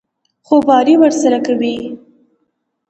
خوباري ورسره کوي.